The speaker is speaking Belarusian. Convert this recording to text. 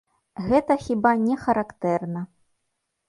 Гэта хіба не характэрна.